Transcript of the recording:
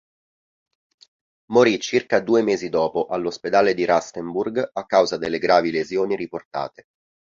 Morì circa due mesi dopo, all'ospedale di Rastenburg, a causa delle gravi lesioni riportate.